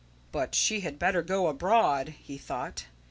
"But she had better go abroad," he thought.